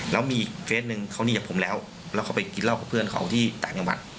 แล้วมีอีกเฟสหนึ่งเขานี่กับผมแล้วแล้วเขาไปกินเหล้ากับเพื่อนเขาที่ต่างจังหวัด